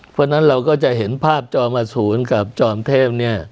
เพราะฉะนั้นเราก็จะเห็นภาพจอมอสูรกับจอมเทพเนี่ย